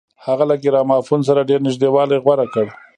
هغه له ګرامافون سره ډېر نږدېوالی غوره کړ.